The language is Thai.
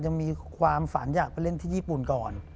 ยังมีความฝันอยากไปเล่นที่ญี่ปุ่นก่อน